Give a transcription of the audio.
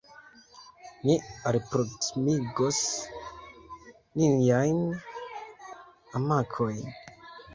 Ni alproksimigos niajn hamakojn.